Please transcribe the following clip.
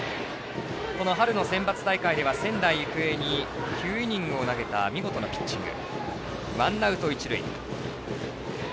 春のセンバツ大会では仙台育英に９イニングを投げた見事なピッチング。